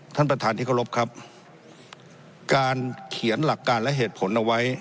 ท่านประธานที่เคารพครับการเขียนหลักการและเหตุผลเอาไว้